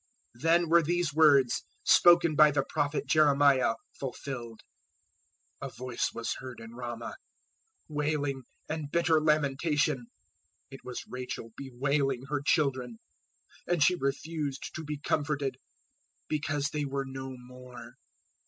002:017 Then were these words, spoken by the Prophet Jeremiah, fulfilled, 002:018 "A voice was heard in Ramah, wailing and bitter lamentation: It was Rachel bewailing her children, and she refused to be comforted because there were no more."